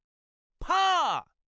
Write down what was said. パー。